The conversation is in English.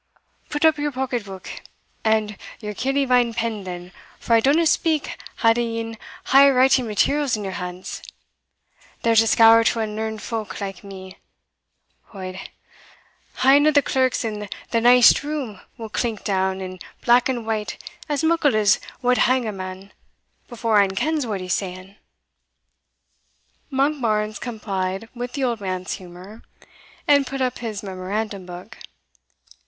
"Put up your pocket book and your keelyvine pen then, for I downa speak out an ye hae writing materials in your hands they're a scaur to unlearned folk like me Od, ane o' the clerks in the neist room will clink down, in black and white, as muckle as wad hang a man, before ane kens what he's saying." Monkbarns complied with the old man's humour, and put up his memorandum book.